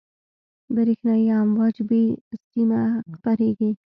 برېښنایي امواج بې سیمه خپرېږي.